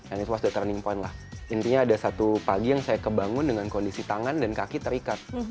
and is was the turning point lah intinya ada satu pagi yang saya kebangun dengan kondisi tangan dan kaki terikat